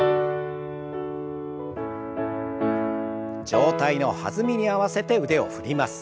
上体の弾みに合わせて腕を振ります。